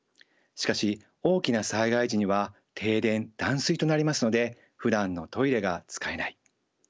しかし大きな災害時には停電断水となりますのでふだんのトイレが使えない。